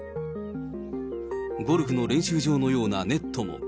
ゴルフの練習場のようなネットも。